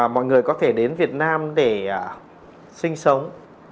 mọi người có thể đến việt nam để sinh sống